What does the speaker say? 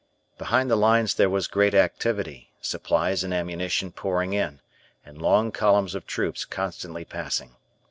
Behind the lines there was great activity, supplies and ammunition pouring in, and long columns of troops constantly passing.